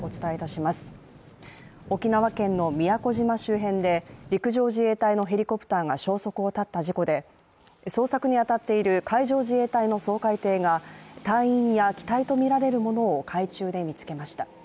沖縄県の宮古島周辺で陸上自衛隊のヘリコプターが消息を絶った事故で、捜索に当たっている海上自衛隊の掃海艇が隊員や機体とみられるものを海中で見つけました。